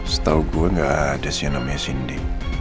setau gue gak ada sih yang namanya cindy